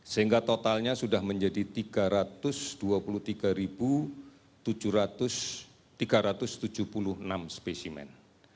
sehingga totalnya sudah menjadi tiga ratus dua puluh tiga tiga ratus tujuh puluh enam spesimen